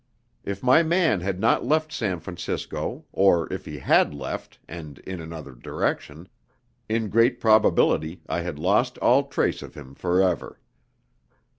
If my man had not left San Francisco, or if he had left, and in another direction, in great probability I had lost all trace of him for ever.